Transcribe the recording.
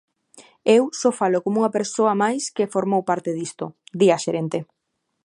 Eu só falo como unha persoa máis que formou parte disto, di a xerente.